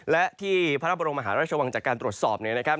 และที่พระบรมมหาราชวังจากการตรวจสอบเนี่ยนะครับ